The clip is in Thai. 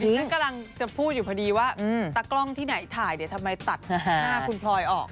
ฉันกำลังจะพูดอยู่พอดีว่าตากล้องที่ไหนถ่ายเดี๋ยวทำไมตัดหน้าคุณพลอยออก